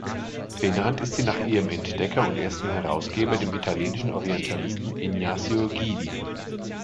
Benannt ist sie nach ihrem Entdecker und ersten Herausgeber, dem italienischen Orientalisten Ignazio Guidi.